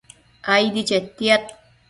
aidi chetiad